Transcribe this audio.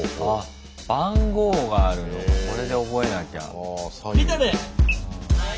番号があるのかこれで覚えなきゃ。